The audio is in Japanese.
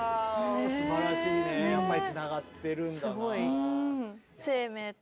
あすばらしいねやっぱりつながってるんだな。